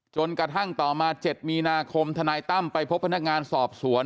จนกระทั่งต่อมา๗มีนาคมทนายตั้มไปพบพนักงานสอบสวน